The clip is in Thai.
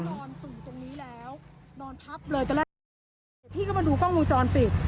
พี่ก็มาดูกล้องวงจรปิด